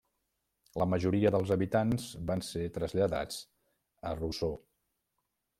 La majoria dels habitants van ser traslladats a Roseau.